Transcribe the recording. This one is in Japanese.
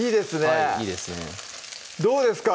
はいいいですねどうですか？